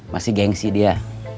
masih gengsi dia